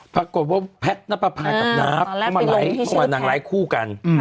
ปรากฏว่าแพทย์นับประพายกับนับเข้ามาไหล่นังไหล่คู่กัน